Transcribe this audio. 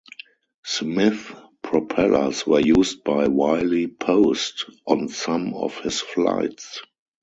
Smith propellers were used by Wiley Post on some of his flights.